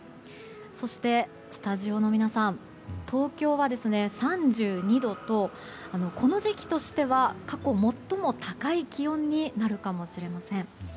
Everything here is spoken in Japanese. そしてスタジオの皆さん東京は３２度とこの時期としては過去最も高い気温になるかもしれません。